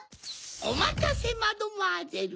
おまたせマドモワゼル！